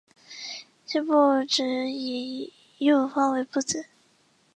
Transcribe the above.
辛部只以右方为部字。